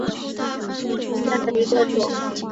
窄额滑虾蛄为虾蛄科滑虾蛄属下的一个种。